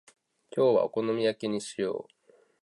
今日はお好み焼きにしよう。